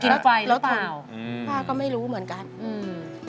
ลดถ้าหรือว่าต้นถ้าก็ไม่รู้เหมือนกันอืม